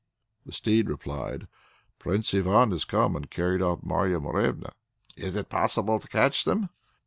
The steed replied: "Prince Ivan has come and carried off Marya Morevna." "Is it possible to catch them?"